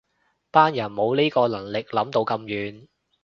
班人冇呢個能力諗到咁遠